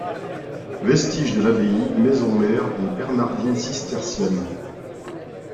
Vestiges de l'abbaye, maison-mère des Bernardines cisterciennes.